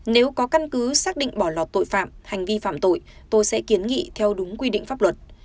nếu có căn cứ xác định bỏ lọt tội phạm hành vi phạm tội tôi sẽ kiến nghị theo đúng quy định pháp luật